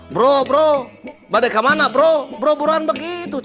bro bro badai kemana bro bro buruan begitu